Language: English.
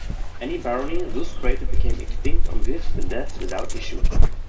Any barony thus created became extinct on his the death without issue.